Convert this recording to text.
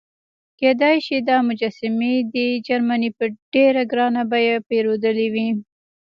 کېدای شي دا مجسمې دې جرمني په ډېره ګرانه بیه پیرودلې وي.